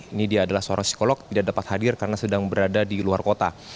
ini dia adalah seorang psikolog tidak dapat hadir karena sedang berada di luar kota